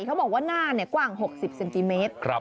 เขาบอกว่าหน้ากว้าง๖๐เซนติเมตร